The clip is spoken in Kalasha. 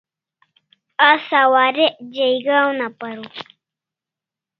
Asa warek jaiga una paraw